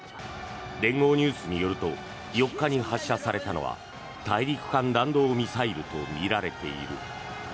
連合ニュースによると４日に発射されたのは大陸間弾道ミサイルとみられている。